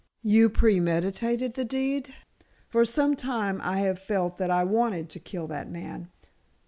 "You premeditated the deed?" "For some time I have felt that I wanted to kill that man."